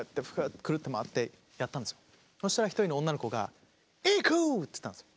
そしたら一人の女の子が「ＩＫＵ！」って言ったんですよ。